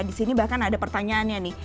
disini bahkan ada pertanyaannya nih